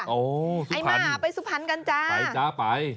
ไอ้ม่าไปสุพรรณกันจ้าไปจ้าไป